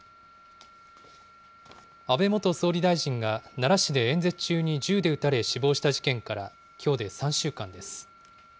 安倍元総理大臣が、奈良市で演説中に銃で撃たれ死亡した事件からきょうで３週間です。